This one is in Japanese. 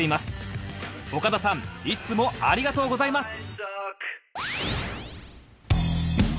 岡田さんいつもありがとうございます